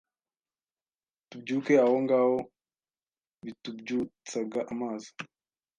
tubyuke ahongaho btubyutsag amazi